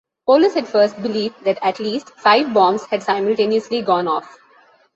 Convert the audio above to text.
Police at first believed that at least five bombs had simultaneously gone off.